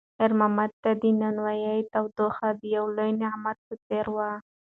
خیر محمد ته د نانوایۍ تودوخه د یو لوی نعمت په څېر وه.